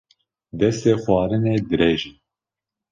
Destê xwarinê dirêj e